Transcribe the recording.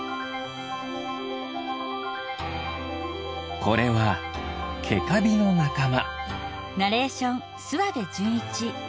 これはケカビのなかま。